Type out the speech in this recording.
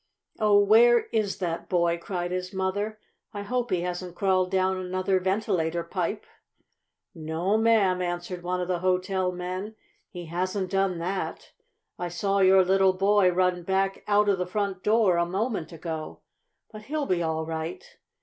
"Oh, where is that boy?" cried his mother. "I hope he hasn't crawled down another ventilator pipe!" "No'm," answered one of the hotel men. "He hasn't done that. I saw your little boy run back out of the front door a moment ago. But he'll be all right.